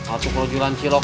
aku kalau jualan cilok